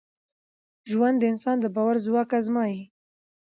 ژوند د انسان د باور ځواک ازمېيي.